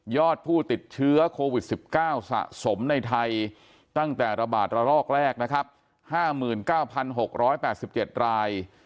ผู้ติดเชื้อโควิด๑๙สะสมในไทยตั้งแต่ระบาดระลอกแรกนะครับ๕๙๖๘๗ราย